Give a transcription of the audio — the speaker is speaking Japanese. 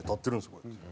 こうやって。